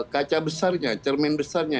kaca besarnya cermin besarnya